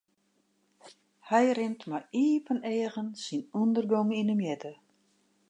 Hy rint mei iepen eagen syn ûndergong yn 'e mjitte.